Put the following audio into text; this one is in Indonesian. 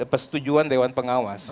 pesetujuan dewan pengawas